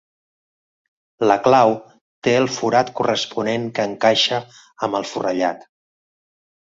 La clau té el forat corresponent que encaixa amb el forrellat.